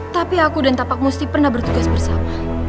tapi aku dan tapak musti pernah bertugas bersama